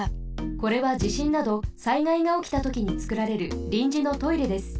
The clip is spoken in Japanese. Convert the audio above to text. これはじしんなど災害がおきたときにつくられるりんじのトイレです。